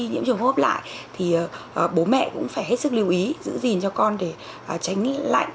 nhiễm trùng hốp lại thì bố mẹ cũng phải hết sức lưu ý giữ gìn cho con để tránh lạnh